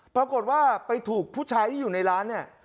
ปรากฏว่าไปถูกผู้ชายที่อยู่ในร้านเนี่ย